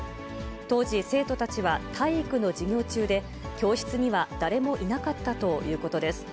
当時、生徒たちは体育の授業中で、教室には誰もいなかったということです。